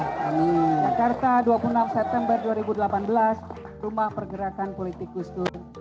jakarta dua puluh enam september dua ribu delapan belas rumah pergerakan politik gus dur